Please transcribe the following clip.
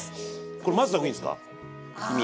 これ混ぜた方がいいんですか黄身？